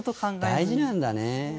大事なんだね。